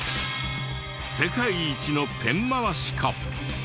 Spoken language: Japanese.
世界一のペン回しか？